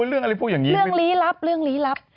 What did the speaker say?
เรื่องลี้ลับเรื่องลี้ลับ